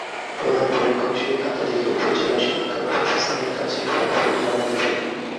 প্রধান পরীক্ষক সেই খাতা দেখে উপজেলা শিক্ষা অফিসারের কাছে ফলাফল জমা দেবেন।